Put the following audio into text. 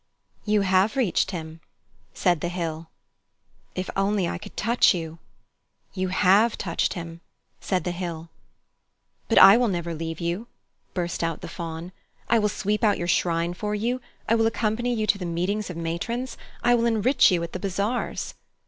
"You have reached him," said the hill. "If only I could touch you!" "You have touched him," said the hill. "But I will never leave you," burst out the Faun. "I will sweep out your shrine for you, I will accompany you to the meetings of matrons. I will enrich you at the bazaars."